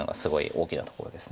大きなところです。